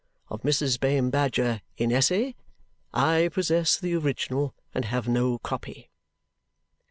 Of Mrs. Bayham Badger IN ESSE, I possess the original and have no copy."